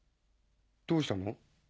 どうしたの？